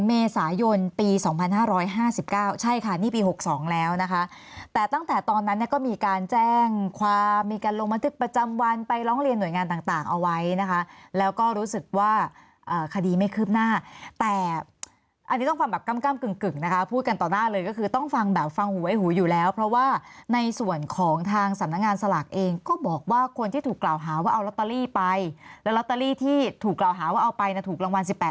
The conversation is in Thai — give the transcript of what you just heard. ๑เมษายนปี๒๕๕๙ใช่ค่ะนี่ปี๖๒แล้วนะคะแต่ตั้งแต่ตอนนั้นก็มีการแจ้งความมีการลงบันทึกประจำวันไปร้องเรียนหน่วยงานต่างเอาไว้นะคะแล้วก็รู้สึกว่าคดีไม่คืบหน้าแต่อันนี้ต้องฟังแบบกล้ำกึ่งนะคะพูดกันต่อหน้าเลยก็คือต้องฟังแบบฟังหูไว้หูอยู่แล้วเพราะว่าในส่วนของทางสำนักงานสลักเองก็